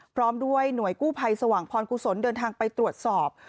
พร้อมด้วยหน่วยกู้ภัยสว่างพรกุศลเดินทางไปตรวจสอบ